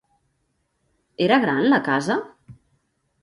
Era gran la casa?